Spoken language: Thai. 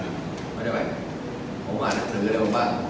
ไม่ใช่ว่ามันผมอ่านแต่เรือเร็วบ้าง